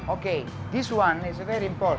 oke ini sangat penting